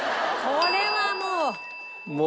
これはもう。